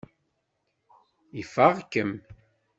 Ifeɣ-kem.